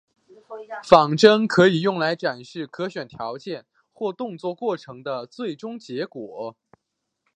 仿真可以用来展示可选条件或动作过程的最终结果。